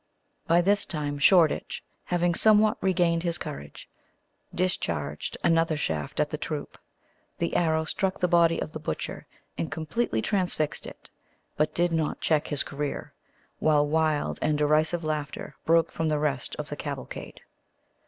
By this time, Shoreditch, having somewhat regained his courage, discharged another shaft at the troop. The arrow struck the body of the butcher, and completely transfixed it, but did not check his career; while wild and derisive laughter broke from the rest of the cavalcade.